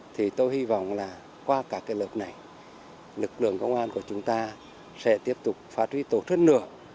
thì tôi hy vọng là qua cả cái lớp này lực lượng công an của chúng ta sẽ tiếp tục phát huy tổ chức nữa